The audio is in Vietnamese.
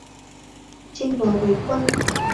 Trinh nói với quân